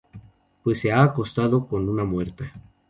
Pues se ha acostado con una muerta.